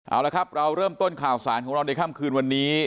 เอาละครับเราเริ่มต้นข่าวสารของเราในค่ำคืนวันนี้